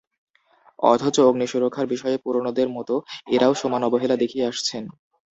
অথচ অগ্নিসুরক্ষার বিষয়ে পুরোনোদের মতো এঁরাও সমান অবহেলা দেখিয়ে আসছেন।